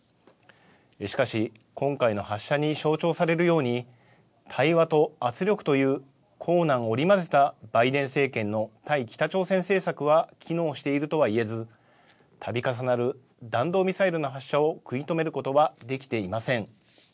しかし今回の発射に象徴されるように対話と圧力という硬軟織り交ぜたバイデン政権の対北朝鮮政策は機能しているとは言えずたび重なる弾道ミサイルの発射を食い止めることはできていません。